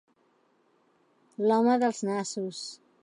L'home dels nassos.